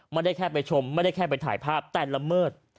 ไม่ได้แค่ไปชมไม่ได้แค่ไปถ่ายภาพแต่ละเมิด